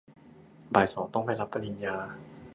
บ่ายสองต้องไปรับปริญญา